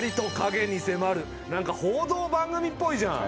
何か報道番組っぽいじゃん。